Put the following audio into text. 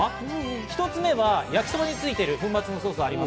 １つ目は焼きそばについている粉末のソース。